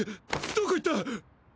どこ行った！